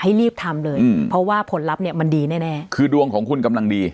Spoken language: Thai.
รีบทำเลยอืมเพราะว่าผลลัพธ์เนี่ยมันดีแน่แน่คือดวงของคุณกำลังดี